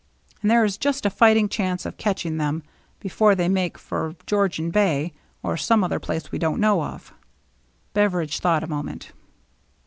And there is just a fighting chance of catching them there before they make for Georgian Bay, or some other place we don't know of." Beveridge thought a moment.